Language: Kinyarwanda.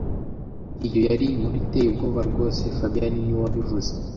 Iyo yari inkuru iteye ubwoba rwose fabien niwe wabivuze